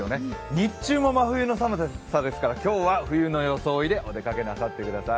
日中も真冬の寒さですから今日は冬の装いでお出かけなさってください。